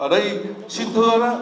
ở đây xin thưa